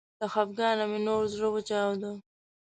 له خفګانه مې نور زړه وچاوده